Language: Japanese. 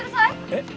えっ？